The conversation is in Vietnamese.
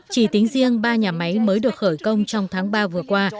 chỉ tính riêng ba nhà máy mới được khởi công trong tháng ba vừa qua